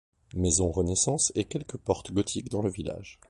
Maison Renaissance et quelques portes gothiques dans le village.